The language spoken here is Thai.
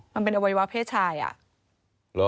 มันเป็นอวัยวะเพศชายอ่ะ